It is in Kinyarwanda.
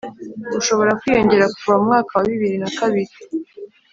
ushobora kwiyongera kuva mu mwaka wa bibiri na kabiri